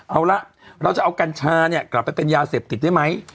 เอาละเราจะเอากัญชาเนี่ยกลับไปเป็นยาเสพติดได้ไหม